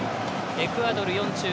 エクアドル、４４位。